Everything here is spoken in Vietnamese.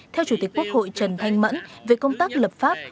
theo chủ tịch quốc hội trần thanh mẫn về công tác lập pháp